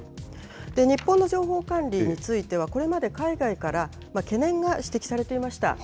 で、日本の情報管理についてはこれまで海外から懸念が指摘されていました。